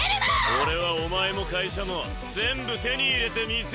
俺はお前も会社も全部手に入れてみせるぞ。